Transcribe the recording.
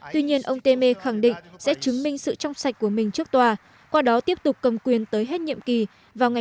tuy nhiên ông temer khẳng định sẽ chứng minh sự trong sạch của mình trước tòa qua đó tiếp tục cầm quyền tới hết nhiệm kỳ vào ngày một một hai nghìn một mươi chín